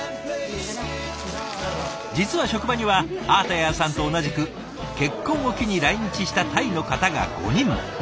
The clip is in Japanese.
実は職場にはアータヤーさんと同じく結婚を機に来日したタイの方が５人も。